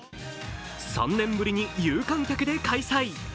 ３年ぶりに有観客で開催。